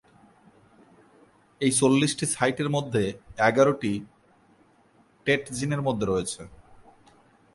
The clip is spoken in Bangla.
এই চল্লিশটি সাইটের মধ্যে এগারটি টেট জিনের মধ্যে রয়েছে।